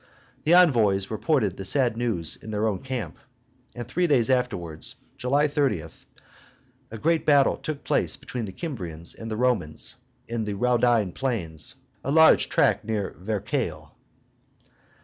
The envoys reported the sad news in their own camp, and three days afterwards, July 30, a great battle took place between the Kymrians and the Romans in the Raudine Plains, a large tract near Verceil.